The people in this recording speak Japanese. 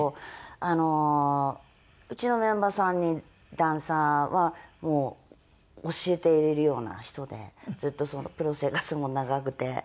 あのうちのメンバー３人ダンサーはもう教えているような人でずっとプロ生活も長くて。